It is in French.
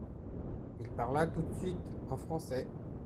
Il parla tout de suite en français.